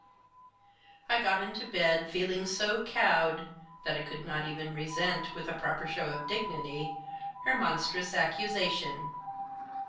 I got into bed, feeling so cowed, that I could not even resent, with a proper show of dignity, her monstrous accusation.